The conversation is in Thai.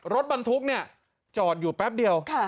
รถบรรทุกเนี่ยจอดอยู่แป๊บเดียว